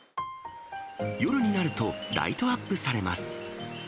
夜になると、ライトアップされます。